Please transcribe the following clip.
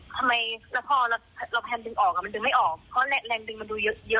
ใช่มากค่อนข้างตกใจแล้วก็งงคือ